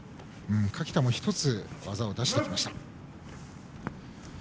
垣田も１つ技を出してきました。